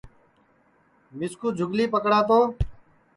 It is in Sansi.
مِسکُو جُھولی پکڑا تو